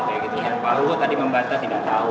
pak alwud tadi membantahkan tahu